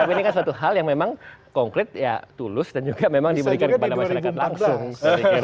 tapi ini kan suatu hal yang memang konkret ya tulus dan juga memang diberikan kepada masyarakat langsung